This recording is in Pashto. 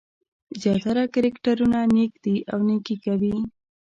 زیاتره کرکټرونه نېک دي او نېکي کوي.